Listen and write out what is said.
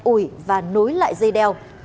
ủi và nối lại dây đeo